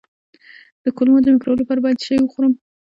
د کولمو د مکروب لپاره باید څه شی وخورم؟